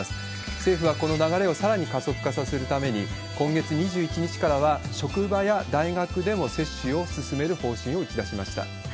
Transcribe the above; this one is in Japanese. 政府はこの流れをさらに加速化させるために、今月２１日からは、職場や大学でも接種を進める方針を打ち出しました。